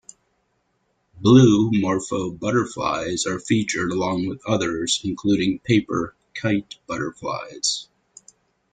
Blue morpho butterflies are featured along with others, including paper kite butterflies.